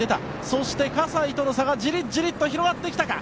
そして葛西との差がじりじりと広がってきたか。